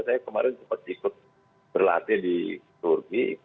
saya kemarin sempat ikut berlatih di turki